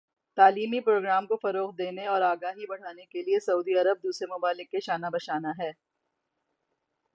تعلیمی پروگراموں کو فروغ دینے اور آگاہی بڑھانے کے لئے سعودی عرب دوسرے ممالک کے شانہ بشانہ ہے